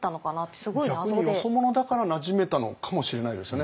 逆によそ者だからなじめたのかもしれないですよね。